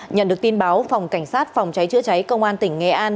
nhận được tin báo phòng cảnh sát phòng cháy chữa cháy công an tỉnh nghệ an